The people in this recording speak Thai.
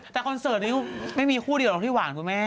แต่คอนเสิร์ตนี้ไม่มีคู่เดียวหรอกที่หวานคุณแม่